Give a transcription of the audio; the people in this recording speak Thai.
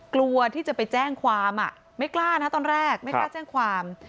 กลัวที่จะไปแจ้งความไม่กล้านะตอนแรกไม่กล้าแจ้งความ